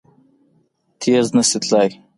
تېز نه شي تلای!